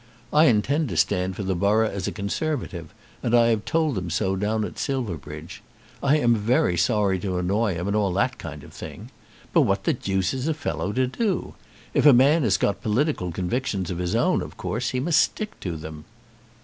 I intend to stand for the borough as a Conservative, and I have told them so down at Silverbridge. I am very sorry to annoy him, and all that kind of thing. But what the deuce is a fellow to do? If a man has got political convictions of his own, of course, he must stick to them."